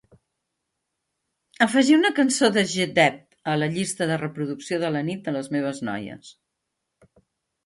Afegir una cançó de G Dep a la llista de reproducció de la nit de les meves noies